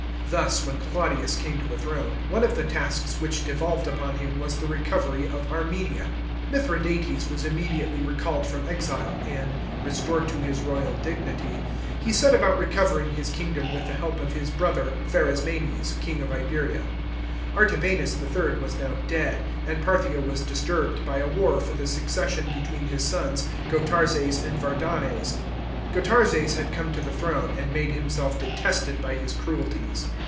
Thus, when Claudius came to the throne, one of the tasks which devolved upon him was the recovery of Armenia. Mithradates was immediately recalled from exile, and, restored to his royal dignity, he set about recovering his kingdom with the help of his brother Pharasmanes, king of Iberia. Arta banus III. was now dead, and Parthia was disturbed by a war for the succession between his sons Gotarzes and Vardanes. Gotarzes had come to the throne and made himself detested by his cruelties.